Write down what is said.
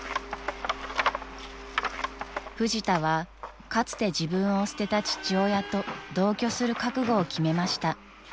［フジタはかつて自分を捨てた父親と同居する覚悟を決めました］